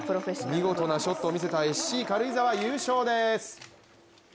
見事なショットをみせたＳＣ軽井沢優勝です。